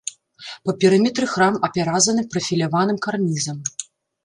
Па перыметры храм апяразаны прафіляваным карнізам.